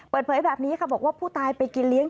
เปิดเผยแบบนี้ค่ะบอกว่าผู้ตายไปกินเลี้ยง